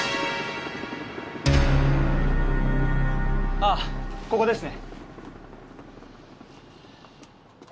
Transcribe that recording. あっここですね。